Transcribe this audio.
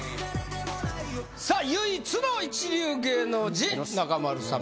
さあ唯一の一流芸能人中丸様